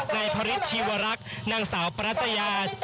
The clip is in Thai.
นายพระฤทธิวรักษ์นางสาวปรัสยา